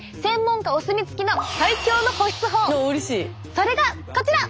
それがこちら！